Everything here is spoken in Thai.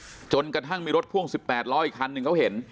อืมจนกระทั่งมีรถพ่วงสิบแปดร้อยคันหนึ่งเขาเห็น